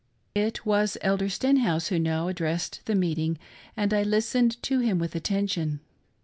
It was Elder Stenhouse who now addressed the meeting, and I listened to him with attention.